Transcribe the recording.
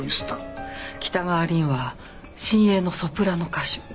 北川凛は新鋭のソプラノ歌手。